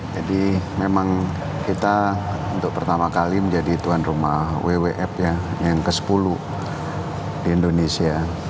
jadi memang kita untuk pertama kali menjadi tuan rumah wwf yang ke sepuluh di indonesia